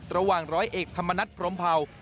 ระหว่าง๑๐๐เอกธรรมนัฏพร้อมเผ่า